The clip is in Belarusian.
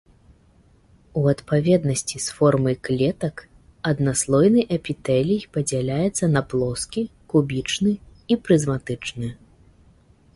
У адпаведнасці з формай клетак аднаслойны эпітэлій падзяляецца на плоскі, кубічны і прызматычны.